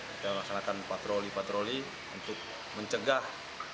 kita laksanakan patroli patroli untuk mencegah